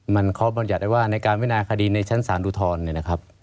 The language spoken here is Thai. มันขอบรรยาได้ว่าในการวินาคดีในชั้นสารดูธรณ์